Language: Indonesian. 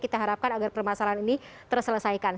kita harapkan agar permasalahan ini terselesaikan